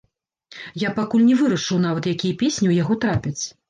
Я пакуль не вырашыў нават, якія песні ў яго трапяць.